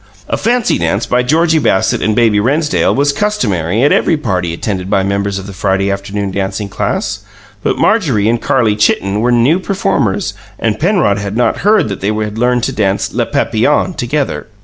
A fancy dance by Georgie Bassett and Baby Rennsdale was customary at every party attended by members of the Friday Afternoon Dancing Class; but Marjorie and Carlie Chitten were new performers, and Penrod had not heard that they had learned to dance "Les Papillons" together.